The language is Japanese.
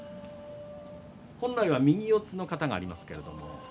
本来右四つの型があります。